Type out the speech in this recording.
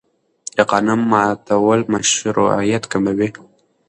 د قانون ماتول مشروعیت کموي